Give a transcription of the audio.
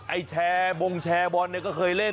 ไอ้แชร์บงแชร์บอลเนี่ยก็เคยเล่น